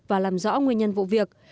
và làm rõ nguyên nhân vụ việc